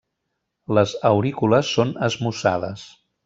Les aurícules són esmussades.